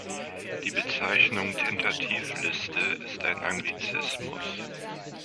Die Bezeichnung "Tentativliste" ist ein Anglizismus.